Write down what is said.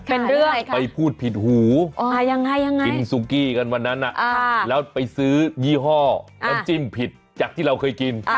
เป็นเรื่องไปพูดผิดหูยังไงกินซุกี้กันวันนั้นแล้วไปซื้อยี่ห้อน้ำจิ้มผิดจากที่เราเคยกิน